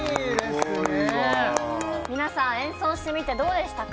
すごいわ皆さん演奏してみてどうでしたか？